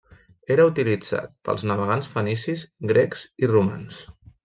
Era utilitzat pels navegants fenicis, grecs i romans.